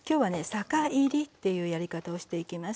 酒いりっていうやり方をしていきます。